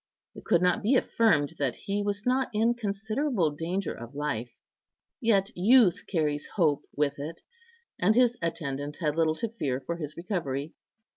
It could not be affirmed that he was not in considerable danger of life, yet youth carries hope with it, and his attendant had little to fear for his recovery.